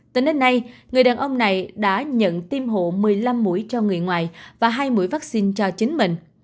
từ nơi này người đàn ông này đã nhận tiêm hộ một mươi năm mũi cho người ngoài và hai mũi vắc xin cho chính mình